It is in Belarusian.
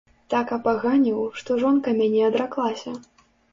Так апаганіў, што жонка мяне адраклася.